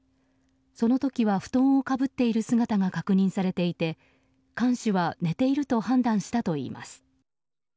その時は布団をかぶっている姿が確認されていて看守は寝ていると判断したといいます。